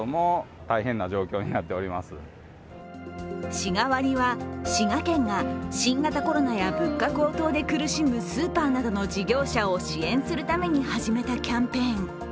しが割は、滋賀県が新型コロナや物価高騰で苦しむスーパーなどの事業者を支援するために始めたキャンペーン。